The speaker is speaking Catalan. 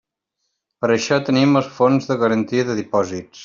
Per això tenim el Fons de Garantia de Dipòsits.